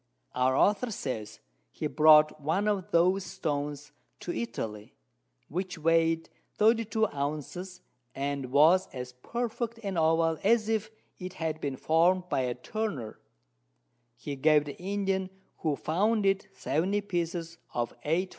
Our Author says, he brought one of those Stones to Italy, which weigh'd 32 Ounces, and was as perfect an Oval as if it had been form'd by a Turner; he gave the Indian who found it 70 Pieces of 8 for it.